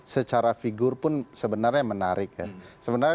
secara figur pun sebenarnya menarik ya